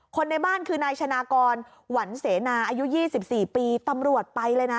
ในบ้านคือนายชนะกรหวันเสนาอายุ๒๔ปีตำรวจไปเลยนะ